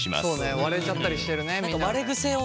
そうね割れちゃったりしてるね。